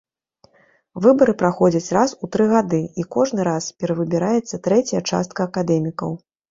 Выбары праходзяць раз у тры гады і кожны раз перавыбіраецца трэцяя частка акадэмікаў.